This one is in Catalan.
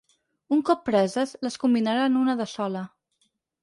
Un cop preses, les combinarà en una de sola.